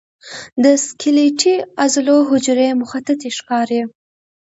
د سکلیټي عضلو حجرې مخططې ښکاري.